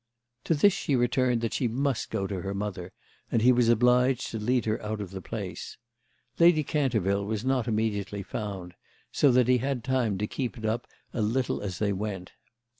To this she returned that she must go to her mother, and he was obliged to lead her out of the place. Lady Canterville was not immediately found, so that he had time to keep it up a little as they went.